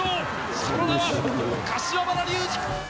その名は柏原竜二。